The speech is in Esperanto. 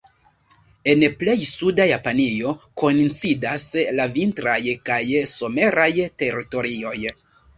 En plej suda Japanio koincidas la vintraj kaj someraj teritorioj.